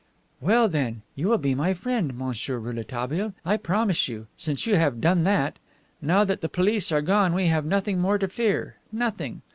"Well, then, you will be my friend, Monsieur Rouletabille I promise you, since you have done that. Now that the police are gone we have nothing more to fear. Nothing.